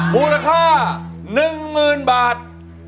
มูลค่า๑๐๐๐บาท